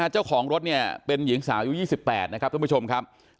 เจ้าของรถเนี่ยเป็นหญิงสาวอายุ๒๘นะครับท่านผู้ชมครับ